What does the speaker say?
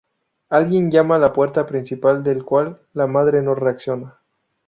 Alguien llama a la puerta principal del cual la madre no reacciona.